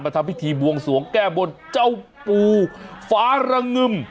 ทำพิธีบวงสวงแก้บนเจ้าปูฟ้าระงึม